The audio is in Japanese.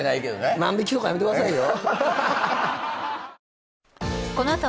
万引とかやめてくださいよ。